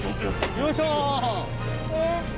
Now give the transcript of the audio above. よいしょ。